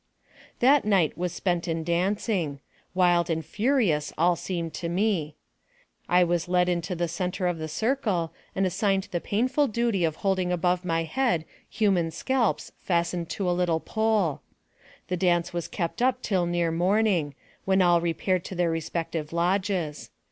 That night was spent in dancing. A\ild and furious all seemed to me. I was led into the center of the circle, and assigned the painful duty of holding above my head human scalps fastened to a little pole. The dance was kept up until near morning, when all repaired to their respective lodges.